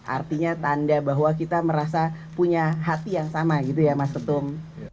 artinya tanda bahwa kita merasa punya hati yang sama gitu ya mas ketum